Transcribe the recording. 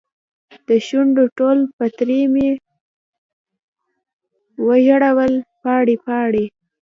دشونډو ټول پتري مې ورژول پاڼې ، پاڼې